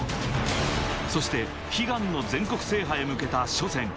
そして悲願の全国制覇へ向けた初戦。